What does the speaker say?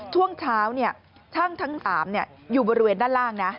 ช่วงเช้าช่างทั้ง๓อยู่บริเวณด้านล่างนะ